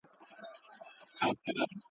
عمرونه وسول په تیارو کي دي رواني جرګې.